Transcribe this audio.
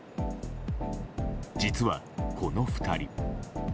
実は、この２人。